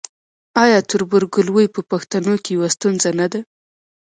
آیا تربورګلوي په پښتنو کې یوه ستونزه نه ده؟